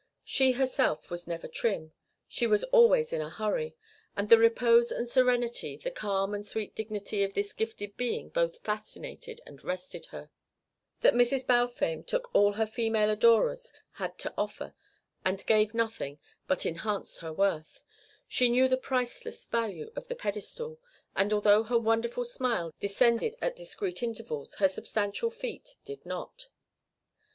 She herself was never trim; she was always in a hurry; and the repose and serenity the calm and sweet dignity of this gifted being both fascinated and rested her. That Mrs. Balfame took all her female adorers had to offer and gave nothing but enhanced her worth. She knew the priceless value of the pedestal, and although her wonderful smile descended at discreet intervals her substantial feet did not.